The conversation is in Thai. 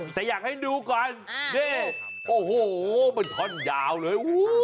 แต่อยากให้ดูก่อนนี่โอ้โหมันท่อนยาวเลย